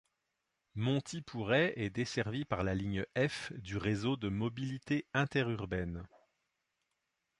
Montipouret est desservie par la ligne F du Réseau de mobilité interurbaine.